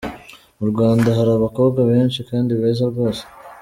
Mu Rwanda hari abakobwa benshi kandi beza rwose.